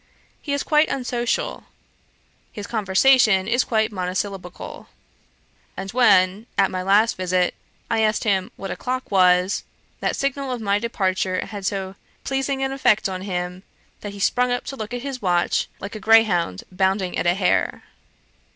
He is quite unsocial; his conversation is quite monosyllabical: and when, at my last visit, I asked him what a clock it was? that signal of my departure had so pleasing an effect on him, that he sprung up to look at his watch, like a greyhound bounding at a hare.'